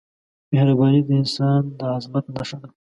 مهرباني د انسان د عظمت نښه ده.